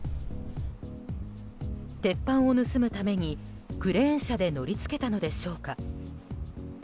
鉄板を盗むためにクレーン車で乗り付けたのでしょうか。